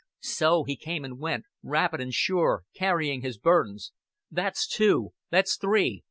So he came and went, rapid and sure, carrying his burdens. "That's two.... That's three....